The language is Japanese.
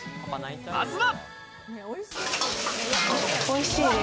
まずは。